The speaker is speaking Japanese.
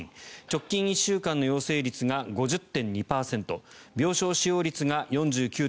直近１週間の陽性率が５０．２％病床使用率が４９．６％